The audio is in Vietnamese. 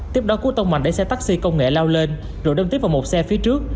tiếp đó cú tông mạnh để xe taxi công nghệ lao lên rồi đâm tiếp vào một xe phía trước